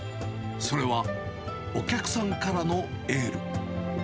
それは、お客さんからのエール。